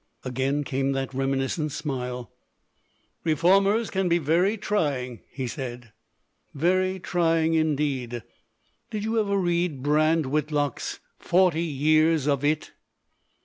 Again came that reminiscent smile. "Reform ers can be very trying," he said. "Very trying, indeed. Did you ever read Brand Whitlock's Forty Years of It?